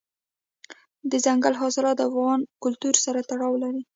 دځنګل حاصلات د افغان کلتور سره تړاو لري.